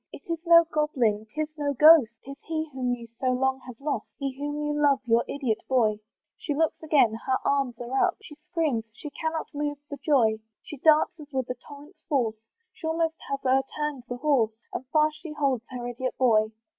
It is no goblin, 'tis no ghost, 'Tis he whom you so long have lost, He whom you love, your idiot boy. She looks again her arms are up She screams she cannot move for joy; She darts as with a torrent's force, She almost has o'erturned the horse, And fast she holds her idiot boy.